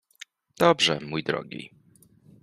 — Dobrze, mój drogi.